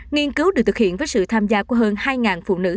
nghiên cứu được thực hiện với sự tham gia của hơn hai phụ nữ